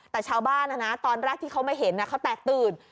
แต่ชาวบ้านตอนแรกที่เขามาเห็นเขาแตกตื่น